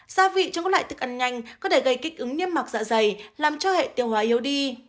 gia vị trong các loại thức ăn nhanh có thể gây kích ứng niêm mạc dạ dày làm cho hệ tiêu hóa yếu đi